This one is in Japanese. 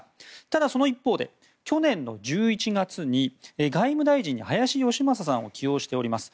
ただその一方で去年の１１月に外務大臣に林芳正さんを起用しております。